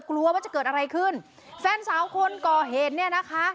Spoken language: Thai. กลัวว่าจะเกิดอะไรขึ้นแฟนสาวคนก่อเหตุเนี่ยนะคะ